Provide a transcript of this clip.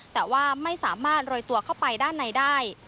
แต่ว่าไม่สามารถโรยตัวเข้าไปด้านในได้